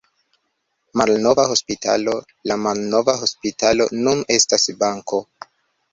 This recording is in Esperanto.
Malnova hospitalo: La malnova hospitalo nun estas banko.